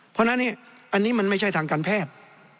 เพราะฉะนั้นอันนี้มันไม่ใช่ทางการแพทย์